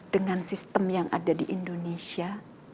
dengan sistem yang ada di indonesia